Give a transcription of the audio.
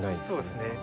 そうですね。